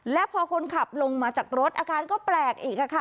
และพอคนขับลงมาจากรถอาการก็แปลกอีกค่ะ